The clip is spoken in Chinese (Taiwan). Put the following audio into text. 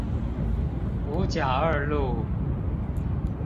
五甲二路